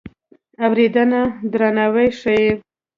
اورېدنه درناوی ښيي.